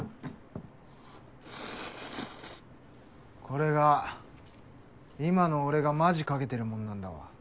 これが今の俺がマジ懸けてるもんなんだわ。